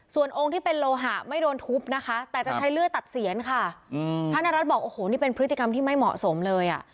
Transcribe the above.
ส่วนองค์ที่เป็นโลหะไม่โดนทุบนะคะแต่จะใช้เลื่อยตัดเสียนค่ะพระนรัฐบอกโอ้โหนี่เป็นพฤติกรรมที่ไม่เหมาะสมเลยอ่ะ